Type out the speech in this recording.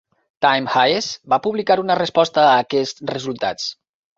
Tim Hayes va publicar una resposta a aquests resultats.